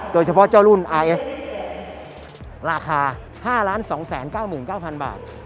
โดยเฉพาะเจ้ารุ่นไอเอสราคา๕๒๙๙๐๐๐บาท